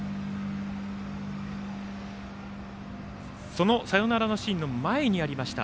そのサヨナラのシーンの前にありました